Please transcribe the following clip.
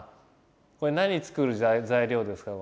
これ何作る材料ですか？